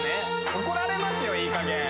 怒られますよいいかげん。